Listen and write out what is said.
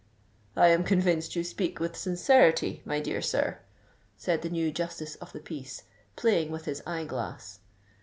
"I am convinced you speak with sincerity, my dear sir," said the new Justice of the Peace, playing with his eye glass.